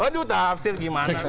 aduh tafsir gimana